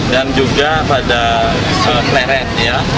dan juga pada claret ya